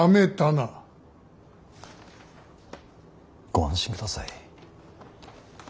ご安心ください。